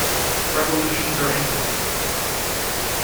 Revolutions are infinite.